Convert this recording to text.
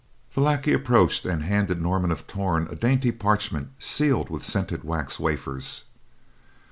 The lackey approached and handed Norman of Torn a dainty parchment sealed with scented wax wafers.